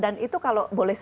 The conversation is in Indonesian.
dan itu kalau boleh saya